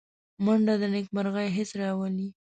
منډه د نېکمرغۍ حس راولي